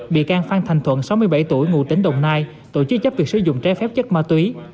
bị can phan thành thuận sáu mươi bảy tuổi ngụ tỉnh đồng nai tổ chức chấp việc sử dụng trái phép chất ma túy